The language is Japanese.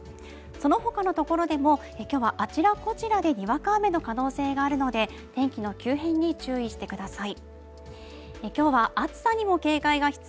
そのほかの所でも影響はあちらこちらでにわか雨の可能性があるので天気の急変に注意してください